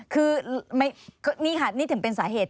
คือนี่ค่ะนี่ถึงเป็นสาเหตุ